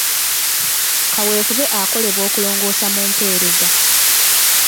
Kaweefube akolebwa okulongoosa mu mpereza.